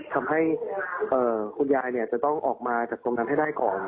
ทำให้คุณยายจะต้องออกมาจากตรงนั้นให้ได้ก่อน